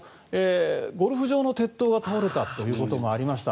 ゴルフ場の鉄塔が倒れたということもありました。